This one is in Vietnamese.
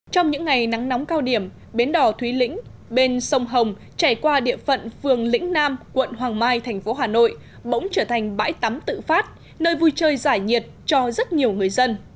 trong những ngày nắng nóng cao điểm bến đỏ thúy lĩnh bên sông hồng chảy qua địa phận phường lĩnh nam quận hoàng mai thành phố hà nội bỗng trở thành bãi tắm tự phát nơi vui chơi giải nhiệt cho rất nhiều người dân